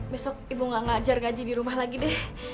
besok ibu gak ngajar gaji di rumah lagi deh